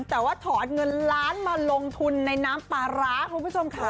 แต่ว่าถอนเงินล้านมาลงทุนในน้ำปลาร้าคุณผู้ชมค่ะ